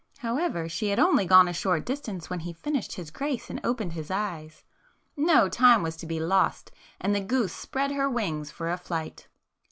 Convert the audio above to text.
However, she had only gone a short distance when he finished his grace and opened his eyes. No time was to be lost, and the goose spread her wings for a flight.